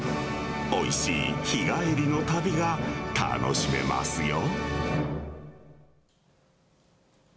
おいしい日帰りの旅が楽しめますよ。